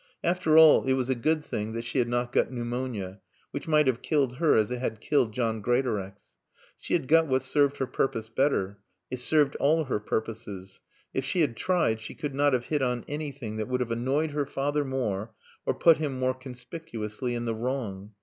After all, it was a good thing that she had not got pneumonia, which might have killed her as it had killed John Greatorex. She had got what served her purpose better. It served all her purposes. If she had tried she could not have hit on anything that would have annoyed her father more or put him more conspicuously in the wrong.